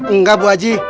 enggak bu haji